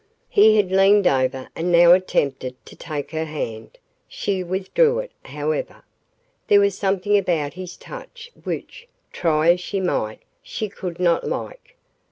He had leaned over and now attempted to take her hand. She withdrew it, however. There was something about his touch which, try as she might, she could not like.